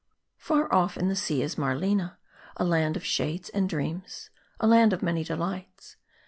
Far off in the sea is Marlena, A land of shades and streams, A land of many delights.